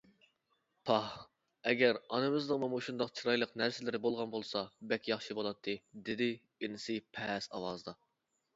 پاھ، ئەگەر ئانىمىزنىڭمۇ مۇشۇنداق چىرايلىق نەرسىلىرى بولغان بولسا بەك ياخشى بولاتتى، دېدى ئىنىسى پەس ئاۋازدا.